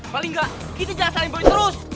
paling gak kita jelas saling boy terus